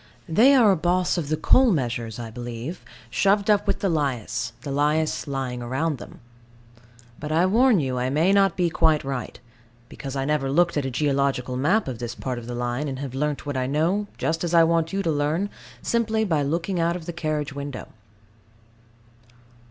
They are a boss of the coal measures, I believe, shoved up with the lias, the lias lying round them. But I warn you I may not be quite right: because I never looked at a geological map of this part of the line, and have learnt what I know, just as I want you to learn simply by looking out of the carriage window.